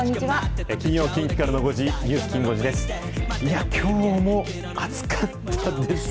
金曜、近畿からの５時、ニュースきん５時です。